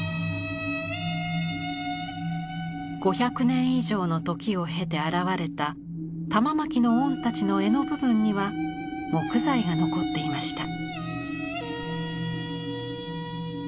５００年以上の時を経て現れた玉纏御太刀の柄の部分には木材が残っていました。